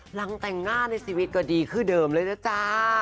หลังแต่งหน้าในชีวิตก็ดีขึ้นเดิมเลยนะจ๊ะ